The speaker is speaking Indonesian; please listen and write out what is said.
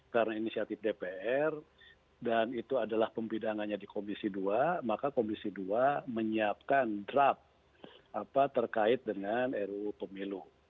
karena inisiatif dpr dan itu adalah pembidangannya di komisi dua maka komisi dua menyiapkan draft terkait dengan ero pemilu